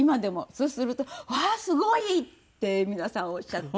そうすると「わあすごい！」って皆さんおっしゃって。